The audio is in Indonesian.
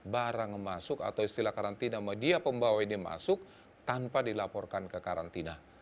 barang masuk atau istilah karantina media pembawa ini masuk tanpa dilaporkan ke karantina